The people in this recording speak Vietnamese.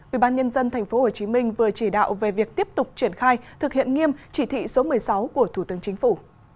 ubnd tp hcm vừa chỉ đạo về việc tiếp tục triển khai thực hiện nghiêm chỉ thị số một mươi sáu của thủ tướng chính phủ